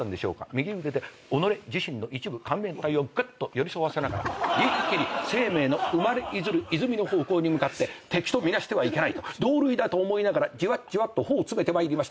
右腕で己自身の一部をぐっと寄り添わせながら一気に生命の生まれいづる泉の方向に向かって敵と見なしてはいけないと同類だと思いながらジワジワと歩を詰めてまいりました。